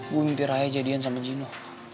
gue mimpi rai jadian sama jino